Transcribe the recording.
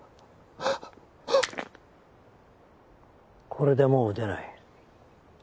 これでもう撃てない。